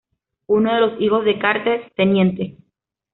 Uno de los hijos de Carter: Tte.